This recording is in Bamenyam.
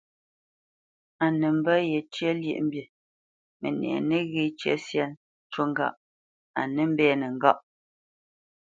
A nə mbə̄ yecyə́ lyéʼmbî, mənɛ nəghé cə syâ cú ŋgâʼ a nə́ mbɛ́nə́ ŋgâʼ.